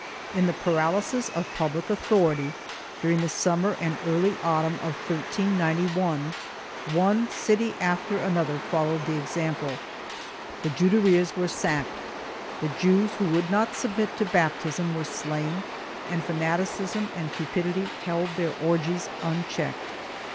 In the paralysis of public authority, during the summer and early autumn of 1391, one city after another followed the example; the Juderias were sacked, the Jews who would not submit to baptism were slain and fanaticism and cupidity held their orgies unchecked.